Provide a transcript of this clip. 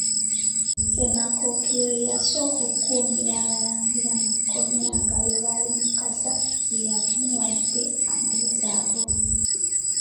Ssemakookiro ye yasooka okukuumira Abalangira mu kkomera nga Lubaale Mukasa ye amuwadde amagezi ago.